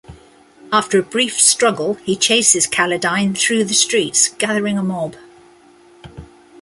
After a brief struggle, he chases Kaledine through the streets, gathering a mob.